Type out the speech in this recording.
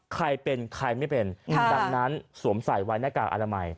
ใครเป็นใครไม่เป็นดังนั้นสวมใส่ไว้หน้ากากอนามัย